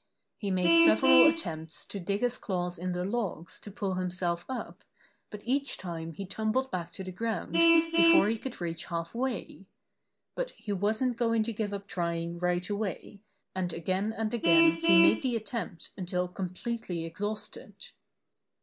He made several attempts to dig his claws in the 44 Buster the Bear logs to pull himself up, but each time he tumbled back to the ground before he could reach half way. But he wasn't going to give up trying right away, and again and again he made the attempt until completely exhausted.